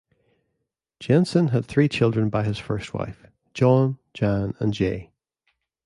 Jensen had three children by his first wife - Jon, Jan, and Jay.